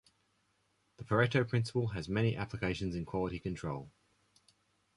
The Pareto principle has many applications in quality control.